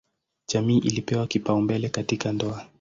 Jamii ilipewa kipaumbele katika ndoa.